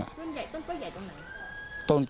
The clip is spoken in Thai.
ต้นกล้วยใหญ่ตรงไหน